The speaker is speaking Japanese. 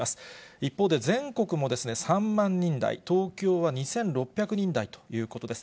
一方で、全国も３万人台、東京は２６００人台ということです。